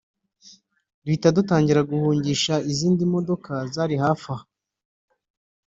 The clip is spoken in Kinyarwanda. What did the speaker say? duhita dutangira guhungisha izindi modoka zari hafi aha